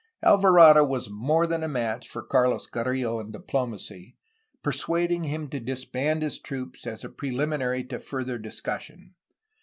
Alvarado was more than a match for Carlos Carrillo in diplomacy, persuading him to disband his troops as a preliminary to further discussion.